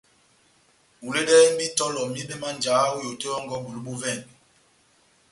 Huledɛhɛ mba itɔlɔ mibɛ má njáhá ó yoto yɔ́ngɔ bulu bó vɛngɛ.